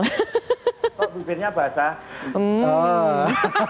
kok bibirnya basah